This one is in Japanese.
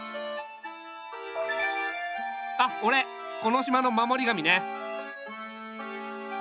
あっおれこの島の守り神ね。